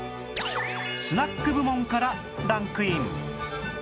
スナック部門からランクイン